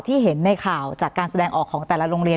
เห็นในข่าวจากการแสดงออกของแต่ละโรงเรียน